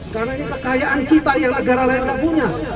karena ini kekayaan kita yang negara lainnya punya